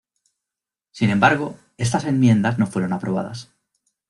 Sin embargo, estas enmiendas no fueron aprobadas.